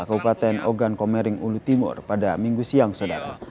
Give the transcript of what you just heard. kabupaten ogan komering ulu timur pada minggu siang saudara